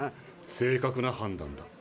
正確な判断だ。